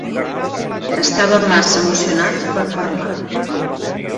Estava massa emocionat per parlar.